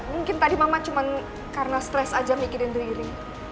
mungkin tadi mama cuma karena stres aja mikirin diri